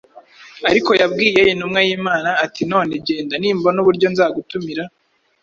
Ariko yabwiye intumwa y’Imana ati: “None genda; nimbona uburyo, nzagutumira.